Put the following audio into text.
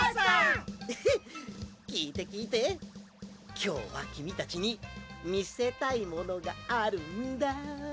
きょうはきみたちにみせたいものがあるんだ！